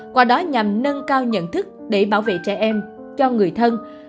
qua đó nhằm nâng cao nhận thức để bảo vệ trẻ em cho người thân